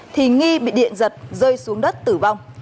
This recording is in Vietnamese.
thì nghi bị điện giật rơi xuống đất tử vong